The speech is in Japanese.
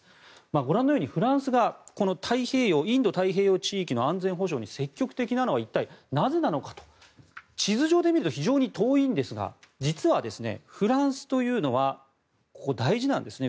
ご覧のようにフランスがインド太平洋地域の安全保障に積極的なのは一体、なぜなのかと地図上で見ると非常に遠いんですが実はフランスというのはここ、大事なんですね